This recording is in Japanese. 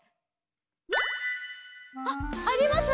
あっあります？